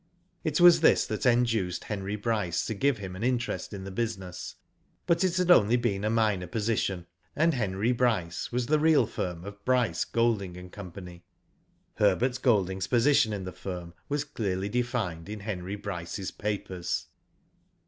It was this that induced Henry Bryce to give him an interest in the business; but it had on'y been a minor position, and Henry Bryce was the real firm of Bryce, Golding, and Co. Herbert Golding^s position in the firm was clearly defined in Henry Bryce's papers.